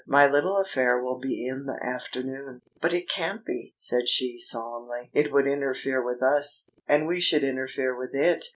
My little affair will be in the afternoon." "But it can't be," said she solemnly. "It would interfere with us, and we should interfere with it.